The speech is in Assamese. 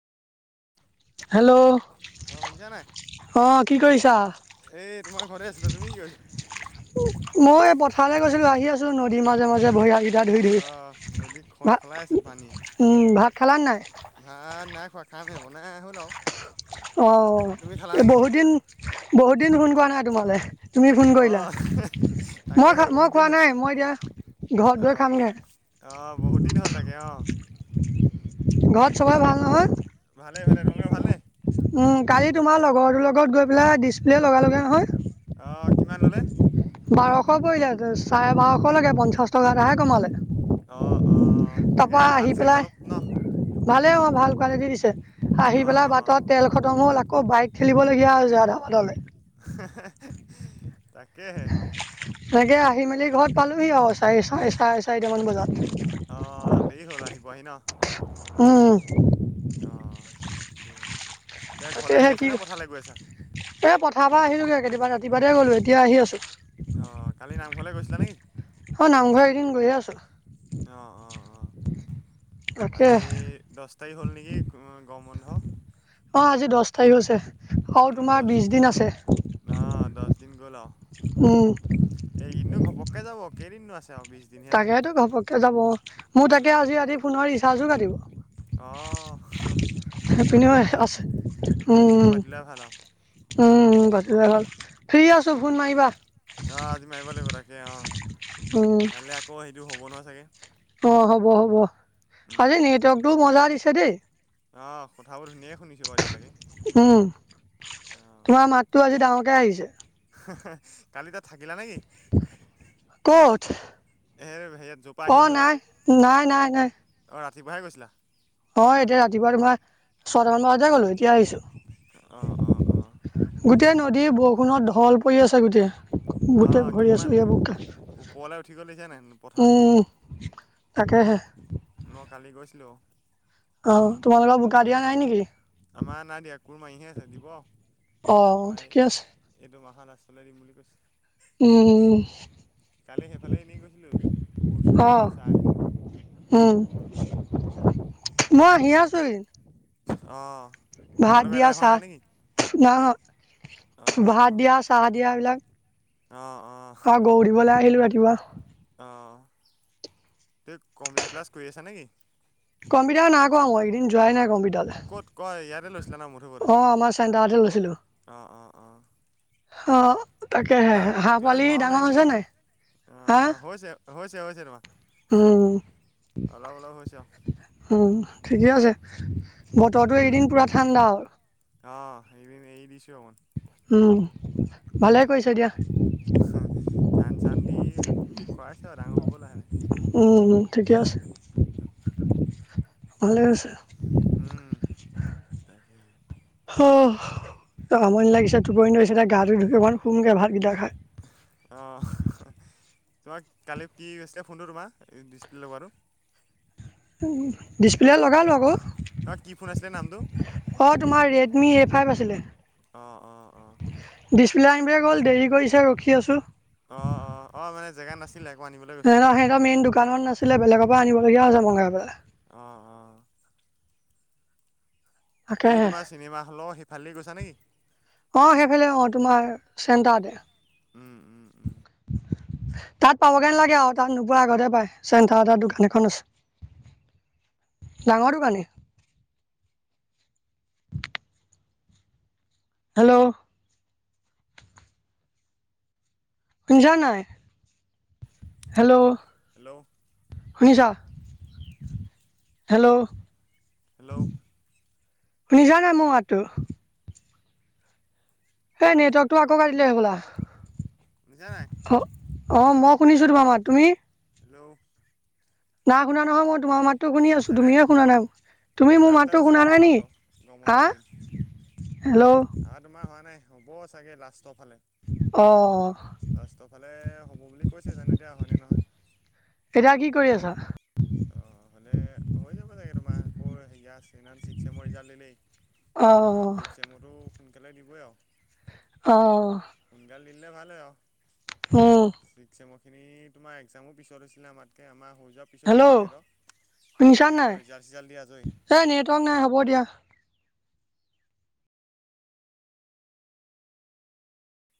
হেল্ল' অ শুনিছা নাই অ কি কৰিছা এই তোমাৰ ঘৰে আছিলো তুমি কি হৈছ মই এই পথাৰলৈ গৈছিলো আহি আছো নদীৰ মাজে মাজে বৰি আহ া ধুই ধুই অ নদী খল ভা খলাই আছে পানী ভাত খালা নাই ভাত নাই খোৱা খামহ ব নাই হ'ল আৰু অঁ তুমি খালা এই নেকি বহুতদিন বহুত দিন সোনকোৱা নাই তোমালৈ তুমি ফোন অ কৰিলা মই তাকেহে মই বহুত দিন খোৱা হ'ল নাই মই এতিয়া ঘৰত অ গৈ অ খামগৈ অ বহুত দিন হ'ল তাকে অ ঘৰত চবেই ভাল নহয় ভালে ভালে তোমালোকে ভালনেে উম কালি তোমাৰ লগৰটোৰ লগত গৈ পেলাই ডিচপ্লে লগালোঁ নহয় অঁ কিমান ল'লে বাৰশ পৰিলে চাৰে বাৰশলৈকে পঞ্চাশ টকা এটাহে কমালে অ অ তাকে ভাল চাগে অলপ ন ভালে অ ভাল কোৱালিটি দিছে আহি অ পেলাই অ বাটত তেল খতম হ'ল আকৌ বাইক খেলিবলগীয়া হৈ হৈছে আধা বাটলৈ তাকেহে এনেকে আহি মেলি ঘৰত পালোহি আৰু চাৰে চাৰে চাৰে চাৰিটামান বজাত অ দেৰি হ'ল আহিৱাহি ন উম অঁ তাকে এতিয়া তাকে ঘৰলৈ আহি আছা কি নে পথাৰলৈ গৈ আছা এই পথাৰ পৰা আহিলোঁগৈ কেতিয়াবা ৰাতিপোৱাতে গ'লোঁ এতিয়া আহি আছোঁ অ কালি নামঘৰলে গৈছিলা নেকি অ নামঘৰ এদিন গৈয়ে আছো অ অ অ তাকে আজি দচ তাৰিখ হ'ল নেকি, গৰম বন্ধ। অ', আজি দচ তাৰিখ হৈছে, আৰু উম দহ তোমাৰ বিছ দিন আছে। অ উম। এই কেদিন ঘপক কে যাব, কেইদিনো আছে আৰু বি তাকেইেতো ঘপককে যাব, মোৰ উম তাকে আজি ৰাতি ফোনৰ ৰিচাৰ্জো কাটিব। অ তাকে সেপিনো আজি দিন আছে, দিনটো উম। পাতি লোৱা ভাল আৰু উম, উম, পতিলে হ'ল, ফ্ৰী আছোঁ উম ফোন মাৰিবা। অ', আজি মাৰিব লাগিব, তাকে উম অ', কাইলৈ আকৌ সেইটো হ'ব নহয় চাগে। অ', হ'ব, হ'ব আজি উম নেটৱৰ্কটোও মজা দিছে দেই। অ', কথাবোৰ ধুনীয়াকে শুনিছো বাৰু এতিয়ালৈকে। উম, অ তোমাৰ মাতটো আজি ডাঙৰকৈ আহিছে। কালি তাত, থাকিলা নেকি? ক'ত। এ হেয়াত জপ অ', নাই, নাই, নাই, নাই। অ', ৰাতিপুৱাহে গৈছিলা। অ', এতিয়া ৰাতিপুৱা তোমাৰ, ছয়টামান বজাতে গ'লোঁ এতিয়া আহিছোঁ। অ', অ', অ'। গোটেই নদীৰ বৰষুণত ঢল পৰি আছে গোতেই। অ গুটেই, কিমান ভৰিয়ে-চৰিয়ে বোকা। ওপৰলৈ উঠি গ'ল দেখিছা নাই পথাৰতকে তাকেহে। মই কালি গৈছিলোঁ। অ', তোমালোকৰ বোকা দিয়া নাই নেকি? আমাৰ নাই দিয়া, কোৰ মাৰিহে আছে দিব অ ৰুৱাই। ঠিকে আছে এইটো মাহৰ লাষ্টলৈ দিম বুলি কৈছে। উম কালি সেইফালে এনেই গৈছিলোঁ, কোৰ-চুৰ অ মাৰি আছে চাই আহিলো। উম, মই আহিয়ে আছোঁ এইকেদিন। অ'। ভাত দিয়া চাহ ন? অঁ ভাত অঁ দিয়া, চাহ দিয়া এইবিলাক অঁ অঁ গৰু দিবলৈ আহিলোঁ ৰাতিপুৱা। অ', তেত কম্পিউটাৰ ক্লাছ কৰি আছা নেকি? কম্পিউটাৰ নাই কৰা মই, এইকেদিন যোৱাই নাই কম্পিউটাৰলৈ। ক'ত কয় ইয়াতে লৈছিলা ন, মধুপুৰতে অ আমাৰ চেণ্টাৰতে লৈছিলো অ', অ', অ'। অ'। তাকেহে ক্লা হাঁহ ক্লাছ পোৱালি হোৱাও ডাঙৰ নাই হৈছে নেকি? হা অ', হৈছে, হৈছে, হৈছে, তোমাৰ। উম, অলপ অলপ হৈছে আৰু উম, ঠিকে আছে। বতৰটো এইকেদিন পোৰা ঠাণ্ডা আৰু। অ', এইকেদিন এই দিছোৱে মই। উম, ভালে কৰিছা দিয়া। ধান-চান দি কৰাইচো আৰু ডাঙৰ হ'ব লাহে-লাহে। উম, উম, ঠিকে আছে। ভালে হৈছে। উম, তাকে। অ', আমনি লাগিছে, টোপনি ধৰিছে, এতিয়া গাটো ধুই অকন শুম গে ভাতকেইটা খাই। অ', তোমাক কালি কি কৈছিলে, ফোনটো তোমাৰ ডিছপ্লে' লগোৱাটো। ডিছপ্লে লগালোঁ আকৌ। নহয় কি ফোন আছিলে নামটো অ', তোমাৰ ৰেডমি এ ফাইভ আছিলে। অ', অ', অ'। ডিছপ্লে আনিবলৈ গ'ল, দেৰি কৰিছে, ৰখি আছোঁ। অ', অ', অ' মানে জেগা নাছিলে। আকৌ আনিবলৈ নাই গৈছে নহ সিহঁতৰ মেইন দোকানখন নাছিলে, বেলেগৰ পৰা আনিবলগীয়া আছে মগাই পেলাই। অ', অ'। এই তাকেহে। তোমাৰ চিনেমাহলৰ সেইফালদি গৈছা নেকি? অ' সেইফালে, অ' তোমাৰ চেণ্টাৰতে। উম উম, উ। তাত পাবগেনে নালাগে আৰু তাত নোপোৱা আগতে পায়, চেণ্টাৰতে দোকান এখন আছে। ডাঙৰ দোকানী। হেল্ল'। শুনিছানে নাই? হেল্ল'। হেল্ল'। শুনিছা? হেল্ল'। হেল্ল'। শুনিছানে মোৰ মাতটো? এই হেল্ল' নেটৱৰ্কটো আকৌ কাটিলে হয়বলা। বুজিছা নাই? অ' মই শুনিছোঁ তোমামাৰ মাত। তুমি? হেল্ল'। নাই শুনা নহয় মই তোমাৰ মাতটো শুনি আছোঁ, তুমিহে শুনা নাই। তুমি মোৰ ক্লাছ ষ্টাছ মাতটো হৈছে শুনা নেকি নাই নি? তোমালোকৰ গৰম হা, হেল্ল'। নাই তোমাৰ হোৱা নাই, হ'ব চাগে লাষ্টৰফালে। অ', অ'। লাষ্টৰফালে হ'ব বুলি কৈছে, জানো এতিয়া হয়নে নহয়। এতিয়া কি কৰি আছা? অ' হ'লে হৈ যাব চাগে, তোমাৰ আকৌ হেৰিয়া চছে ছিক্স চেমৰ ৰিজাল্ট দিলেই। অ আমাৰ ফিফ চেমৰো সোনকালে দিবই আৰু। অ'। সোনকাল দিলে ভাল হয় আৰু। অ'। চিক্স চেমৰখিনি তোমাৰ এক্সামৰ পিছত হৈছিলে, আমাতকে আমাৰ হৈ যোৱাৰ পিছত হৈছিলে। হেল্ল' ছিলে সিহঁতক কিন্তু হেহতক ৰিজাল্ট চিজাল্ট দি আজৰি। এই নেটৱৰ্ক নাই, হ'ব দিয়া।